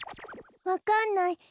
わかんない。